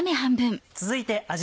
続いて味